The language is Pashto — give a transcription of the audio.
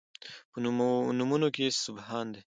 په نومونو کې سبحان دی